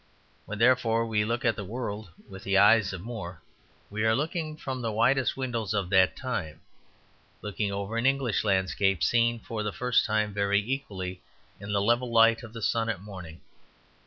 When, therefore, we look at the world with the eyes of More we are looking from the widest windows of that time; looking over an English landscape seen for the first time very equally, in the level light of the sun at morning.